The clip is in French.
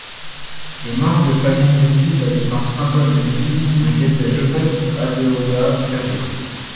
Le manque de familles métisses habitant Saint-Paul-des-Métis inquiétait Joseph-Adéodat Thérien.